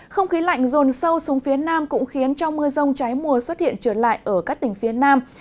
không khí lạnh rồn sâu xuống phía nam cũng khiến cho mưa rông trái mùa xuất hiện trở lại ở các tỉnh phía nam